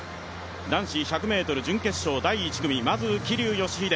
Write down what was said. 男子１００ｍ準決勝第１組、まず桐生祥秀。